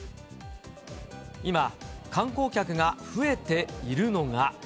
今、観光客が増えているのが。